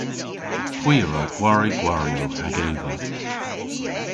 Hwi a wra gwari gwariow hag eva.